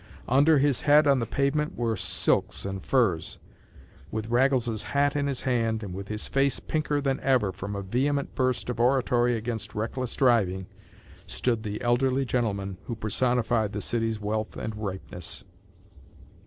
Under his head on the pavement were silks and furs. With Raggles’s hat in his hand and with his face pinker than ever from a vehement burst of oratory against reckless driving, stood the elderly gentleman who personified the city’s wealth and ripeness.